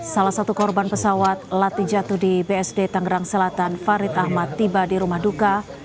salah satu korban pesawat latih jatuh di bsd tangerang selatan farid ahmad tiba di rumah duka